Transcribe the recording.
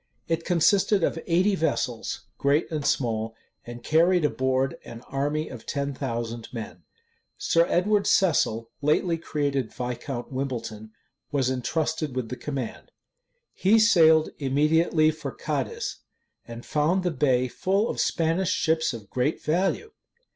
It consisted of eighty vessels, great and small; and carried an board an army of ten thousand men. Sir Edward Cecil, lately created Viscount Wimbleton, was intrusted with the command. He sailed immediately for Cadiz, and found the bay full of Spanish ships of great value.